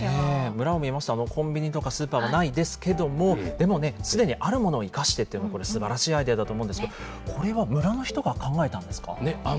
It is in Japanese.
村を見ますと、コンビニとかスーパーがないですけれども、でもね、すでにあるものを生かしてって、これ、すばらしいアイデアだと思うんですけれども、これは村の人が考えたんですか。